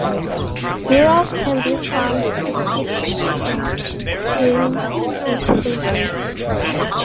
Murals can be found depicting it in its heyday.